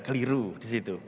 keliru di situ